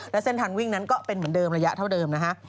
และเส้นทางวิ่งนั้นก็เป็นเหมือนเดิมระยะเท่าเดิมนะฮะ